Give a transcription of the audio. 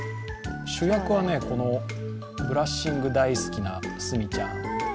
主役はこのブラッシング大好きなスミちゃん。